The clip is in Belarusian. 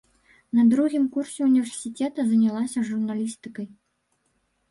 На другім курсе ўніверсітэта занялася журналістыкай.